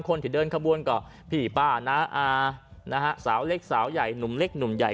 คนที่เดินขบวนก็พี่ป้าน้าอานะฮะสาวเล็กสาวใหญ่หนุ่มเล็กหนุ่มใหญ่